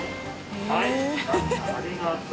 はいありがとう。